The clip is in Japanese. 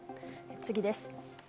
次です。